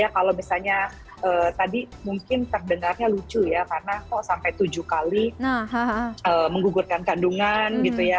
karena mungkin terdengarnya lucu ya karena kok sampai tujuh kali menggugurkan kandungan gitu ya